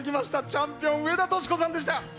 チャンピオン上田淑子さんでした。